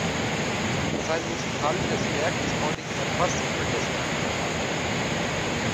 Sein musikalisches Werk ist heute jedoch fast in Vergessenheit geraten.